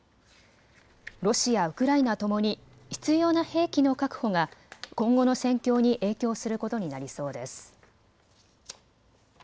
ロシア、ウクライナともに必要な兵器の確保が今後の戦況に影響することになりそうです。